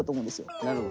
なるほど。